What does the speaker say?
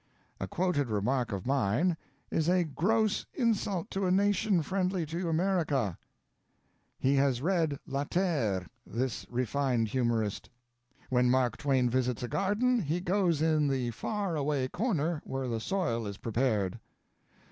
] A quoted remark of mine "is a gross insult to a nation friendly to America." "He has read La Terre, this refined humorist." "When Mark Twain visits a garden... he goes in the far away corner where the soil is prepared."